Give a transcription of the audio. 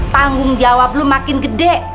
tanggung jawab lo makin gede